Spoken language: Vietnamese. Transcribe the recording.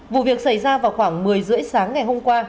vụ việc xảy ra vào khoảng một mươi h ba mươi sáng ngày hôm qua